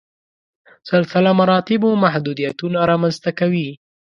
سلسله مراتبو محدودیتونه رامنځته کوي.